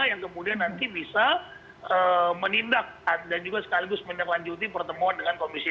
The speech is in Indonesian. yang kemudian nanti bisa menindak dan juga sekaligus menindaklanjuti pertemuan dengan komisi tiga